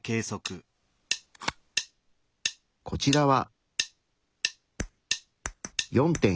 こちらは。